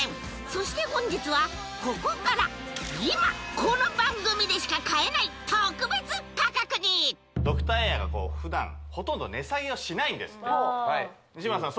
そして本日はここから今この番組でしか買えない特別価格にドクターエアが普段ほとんど値下げをしないんですって西村さん